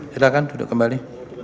silahkan duduk kembali